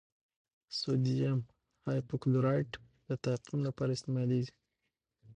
سوډیم هایپوکلورایټ د تعقیم لپاره استعمالیږي.